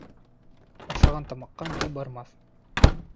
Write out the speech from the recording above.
Ашаған тамаҡҡа ни бармаҫ.